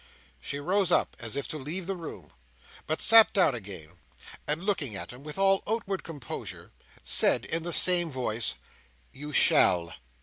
She rose up as if to leave the room; but sat down again, and looking at him with all outward composure, said, in the same voice: "You shall!"